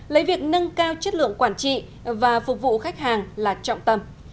lấy việc nâng cao chất lượng quản trị và phục vụ khách hàng là trọng tâm